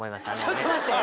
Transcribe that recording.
ちょっと待って。